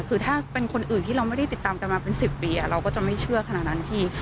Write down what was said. คือถ้าเป็นคนอื่นที่เราไม่ได้ติดตามกันมาเป็น๑๐ปีเราก็จะไม่เชื่อขนาดนั้นพี่